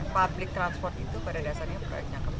public transport itu pada dasarnya proyek yang kepanjang